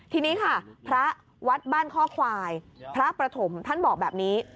ทีนี้ค่ะพระวัดบ้านข้อควายพระประถมท่านบอกแบบนี้